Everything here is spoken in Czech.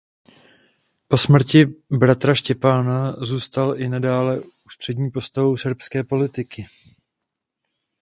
Po smrti bratra Štěpána zůstal i nadále ústřední postavou srbské politiky.